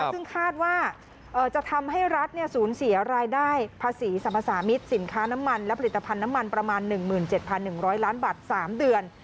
ซึ่งคาดว่าจะทำให้รัฐศูนย์เสียรายได้ภาษีสรรพสามิตรสินค้าน้ำมันและผลิตภัณฑ์น้ำมันประมาณ๑๗๑๐๐ล้านบาท๓เดือน